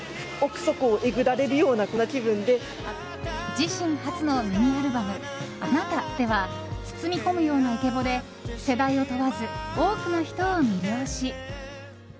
自身初のミニアルバム「あなた」では包み込むようなイケボで世代を問わず多くの人を魅了し。